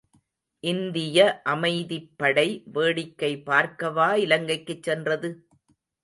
இந்திய அமைதிப்படை வேடிக்கை பார்க்கவா இலங்கைக்குச் சென்றது?